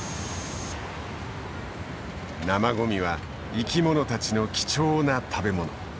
生ゴミは生き物たちの貴重な食べ物。